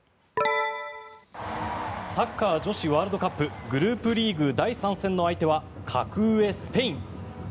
サッカー女子ワールドカップグループリーグ第３戦の相手は格上スペイン。